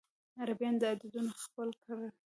عربيان دا عددونه خپل کړل.